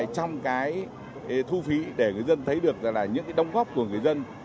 trong cái thu phí để người dân thấy được là những đóng góp của người dân